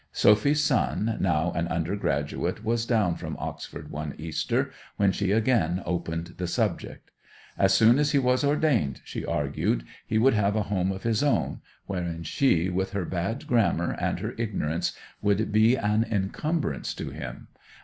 Sophy's son, now an undergraduate, was down from Oxford one Easter, when she again opened the subject. As soon as he was ordained, she argued, he would have a home of his own, wherein she, with her bad grammar and her ignorance, would be an encumbrance to him.